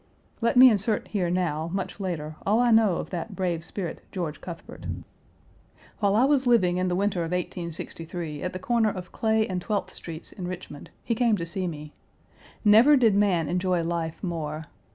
Page 213 [Let me insert here now, much later, all I know of that brave spirit, George Cuthbert. While I was living in the winter of 1863 at the corner of Clay and Twelfth Streets in Richmond, he came to see me. Never did man enjoy life more.